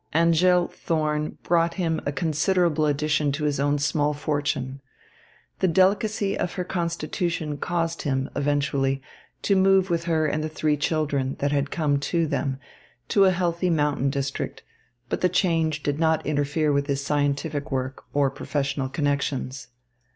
Angèle Thorn brought him a considerable addition to his own small fortune. The delicacy of her constitution caused him, eventually, to move with her and the three children that had come to them to a healthy mountain district; but the change did not interfere with his scientific work or professional connections.